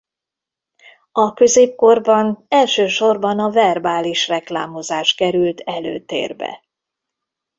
A középkorban elsősorban a verbális reklámozás került előtérbe.